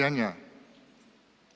dan bapak jokowi